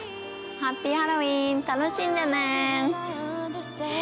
ハッピーハロウィーン楽しんでね。